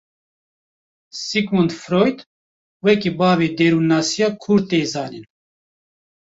Sigmund Freud wekî bavê derûnnasiya kûr tê zanîn.